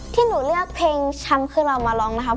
ที่หนูเลือกเพลงช้ำคือเรามาร้องนะครับ